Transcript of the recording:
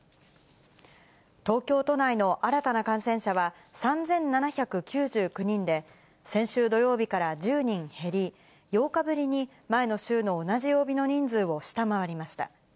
東京都内の新たな感染者は３７９９人で、先週土曜日から１０人減り、８日ぶりに前の週の同じ曜日の人数を下回りました。